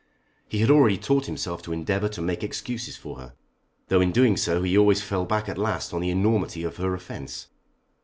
He had already taught himself to endeavour to make excuses for her, though in doing so he always fell back at last on the enormity of her offence.